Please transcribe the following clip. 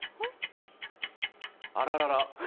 あららら。